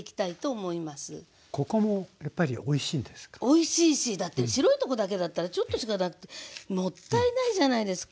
おいしいしだって白いとこだけだったらちょっとしかだってもったいないじゃないですか。